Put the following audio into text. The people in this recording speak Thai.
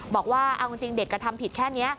บอกว่าเอาจริงเด็กกระทำผิดแค่นี้